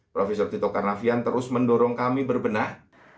prof tito karnavian terus mendorong kami berbenah